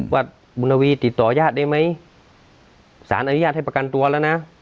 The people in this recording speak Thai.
ว่าบุญนวีติดต่อยาดได้ไหมสารอนุญาตให้ประกันตัวแล้วนะ